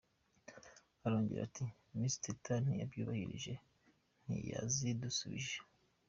Arongera ati “Miss Teta ntiyabyubahirije, ntiyazidusubije.